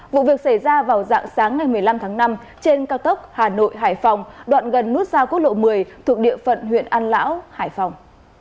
vụ việc xảy ra vào dạng sáng ngày một mươi năm tháng năm trên cao tốc hà nội hải phòng đoạn gần nút giao quốc lộ một mươi thuộc địa phận huyện an lão hải phòng